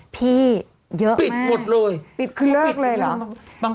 พี่เยอะมากปิดคือเลิกเลยเหรอปิดคือเลิกเลยเหรอบางคนปิดคือปิดเลย